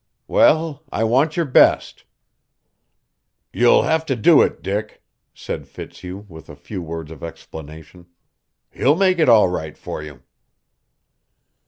"Well, I want your best." "You'll have to do it, Dick," said Fitzhugh with a few words of explanation. "He'll make it all right for you."